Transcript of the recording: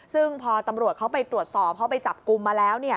ซึ่งพอตำรวจเขาไปตรวจสอบเขาไปจับกลุ่มมาแล้ว